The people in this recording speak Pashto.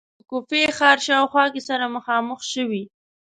په کوفې ښار شاوخوا کې سره مخامخ شوې.